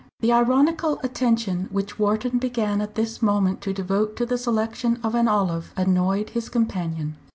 The ironical attention which Wharton began at this moment to devote to the selection of an olive annoyed his companion.